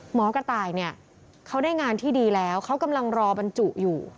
หมอกระต่ายเนี่ยเขาได้งานที่ดีแล้วเขากำลังรอบรรจุอยู่